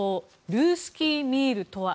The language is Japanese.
ルースキー・ミールとは。